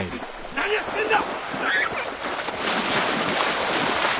何やってんだ！